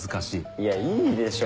いやいいでしょ。